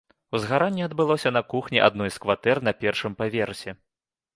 Узгаранне адбылося на кухні адной з кватэр на першым паверсе.